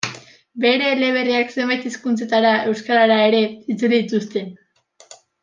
Bere eleberriak zenbait hizkuntzatara, euskarara ere, itzuli dituzte.